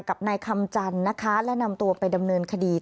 กับนายคำจันทร์นะคะและนำตัวไปดำเนินคดี